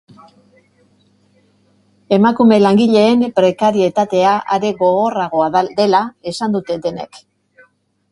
Emakume langileen prekarietatea are gogorragoa dela esan dute denek.